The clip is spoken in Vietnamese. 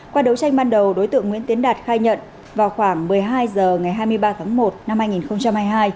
qua đấu tranh ban đầu đối tượng nguyễn tiến đạt khai nhận vào khoảng một mươi hai h ngày hai mươi ba tháng một năm hai nghìn hai mươi hai